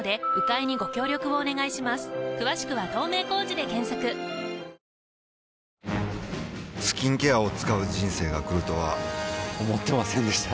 サントリー「ＶＡＲＯＮ」スキンケアを使う人生が来るとは思ってませんでした